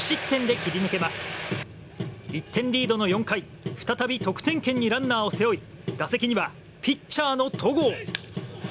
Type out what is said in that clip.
１点リードの４回再び得点圏にランナーを背負い打席にはピッチャーの戸郷。